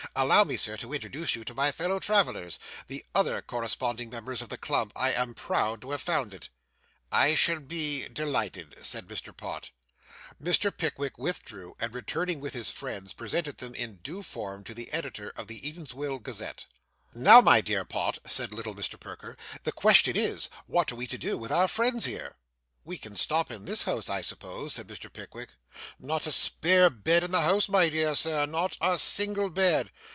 Allow me, sir, to introduce you to my fellow travellers, the other corresponding members of the club I am proud to have founded.' 'I shall be delighted,' said Mr. Pott. Mr. Pickwick withdrew, and returning with his friends, presented them in due form to the editor of the Eatanswill Gazette. 'Now, my dear Pott,' said little Mr. Perker, 'the question is, what are we to do with our friends here?' 'We can stop in this house, I suppose,' said Mr. Pickwick. 'Not a spare bed in the house, my dear sir not a single bed.